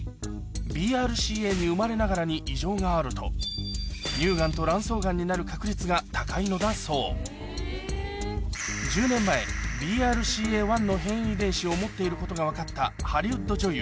ＢＲＣＡに生まれながらに異常があるとになる確率が高いのだそう１０年前ＢＲＣＡ１の変異遺伝子を持っていることが分かったハリウッド女優